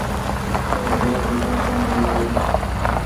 که زه د ده پر ځای وای.